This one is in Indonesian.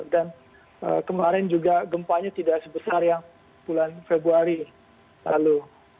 dan kemarin juga gempanya tidak sebesar yang bulan februari lalu